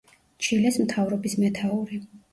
ჩილეს მთავრობის მეთაური.